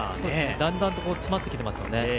だんだんと詰まってきてますよね。